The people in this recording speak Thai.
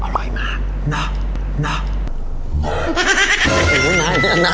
อร่อยมากน่ะน่ะ